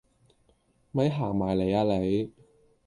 咪行埋嚟呀你